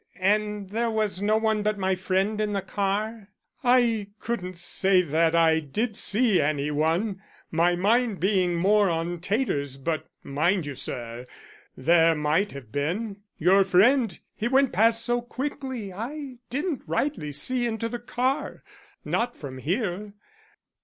"And there was no one but my friend in the car?" "I couldn't say that I did see any one, my mind being more on taters, but, mind you, sir, there might have been. Your friend he went past so quickly I didn't rightly see into the car not from here.